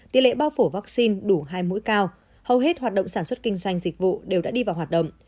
tỷ lệ bao phủ vaccine đủ hai mũi cao hầu hết hoạt động sản xuất kinh doanh dịch vụ đều đã đi vào hoạt động